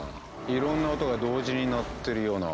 いろんな音が同時に鳴ってるような。